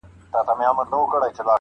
لا د چا سترگه په سيخ ايستل كېدله-